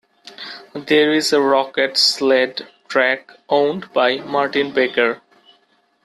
There is a rocket sled track owned by Martin-Baker.